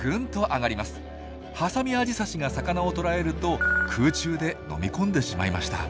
ハサミアジサシが魚を捕らえると空中で飲み込んでしまいました。